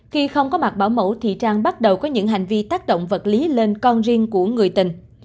khi không có mặt bảo mẫu thì trang bắt đầu có những hành vi tác động vật lý lên con riêng của người tình